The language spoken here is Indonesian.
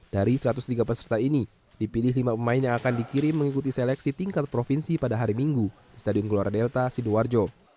dari satu ratus tiga peserta ini dipilih lima pemain yang akan dikirim mengikuti seleksi tingkat provinsi pada hari minggu di stadion gelora delta sidoarjo